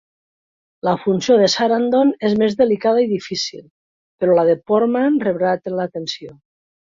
La funció de Sarandon és més delicada i difícil, però la de Portman rebrà l'atenció.